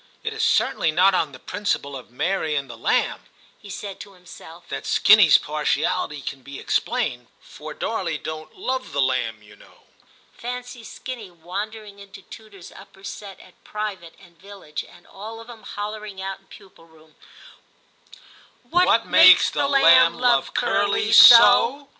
It is cer tainly not on the principle of Mary and the lamb,' he said to himself, 'that Skinny 's partiality can be explained, for Darley don't 'Move the lamb, you know." Fancy Skinny wandering into tutor's upper set at private, and Villidge and all of 'em hollering out in pupil room, " What makes the lamb love Curly 122 TIM CHAP. SO?"